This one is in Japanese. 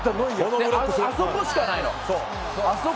あそこしかないの。